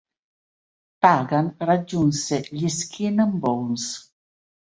Pagan raggiunse gli Skin N' Bones.